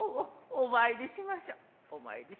お詣りしましょう。